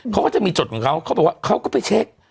เขาก็จะมีจดของเขาเขาบอกว่าเขาก็ไปเช็ค